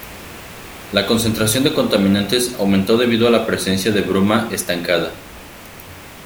La concentración de contaminantes aumentó debido a la presencia de bruma estancada.